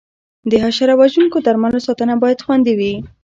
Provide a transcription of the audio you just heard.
د حشره وژونکو درملو ساتنه باید خوندي وي.